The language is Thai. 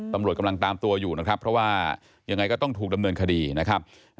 ตำรวจกำลังตามตัวอยู่นะครับเพราะว่ายังไงก็ต้องถูกดำเนินคดีนะครับ